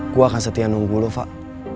gue akan setia nunggu lo fak